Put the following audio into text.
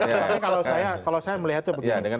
tapi kalau saya melihatnya begini